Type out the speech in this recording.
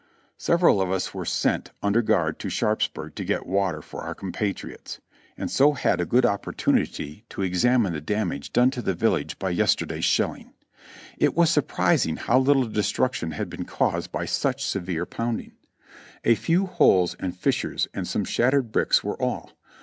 Several of us were sent under guard to Sharpsburg to get water for our compatriots, and so had a good opportunity to ex amine the damage done to the village by yesterday's shelling. It was surprising how little destruction had been caused by such PAROI.ED 303 severe pounding. A few holes and fissures and some shattered bricks were all.